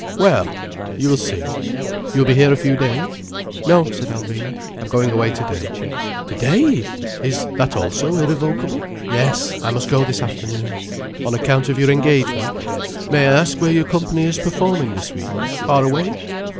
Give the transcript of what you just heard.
Well! You will see. You will be here a few days?" "No," said Alvina. "I'm going away today." "Today! Is that also irrevocable?" "Yes. I must go this afternoon." "On account of your engagement? May I ask where your company is performing this week? Far away?"